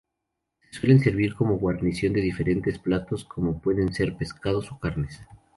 Se suelen servir como guarnición de diferentes platos como puede ser pescados o carnes.